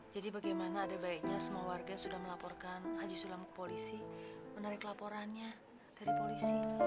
jadi bagaimana ada baiknya semua warga sudah melaporkan haji sulam ke polisi menarik laporannya dari polisi